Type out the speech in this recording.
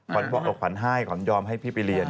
บอกขวัญให้ขวัญยอมให้พี่ไปเรียน